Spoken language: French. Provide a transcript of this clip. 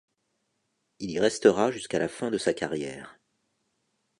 Il y restera jusqu'à la fin de sa carrière.